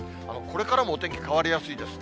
これからもお天気変わりやすいです。